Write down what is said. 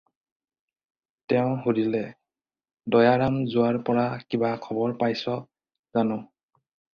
তেওঁ সুধিলে- "দয়াৰাম যোৱাৰ পৰা কিবা খবৰ পাইছ জানো?"